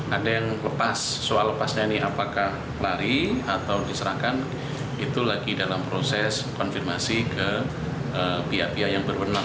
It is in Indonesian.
ada yang lepas soal lepasnya ini apakah lari atau diserahkan itu lagi dalam proses konfirmasi ke pihak pihak yang berwenang